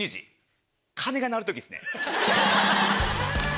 鐘が鳴る時ですね。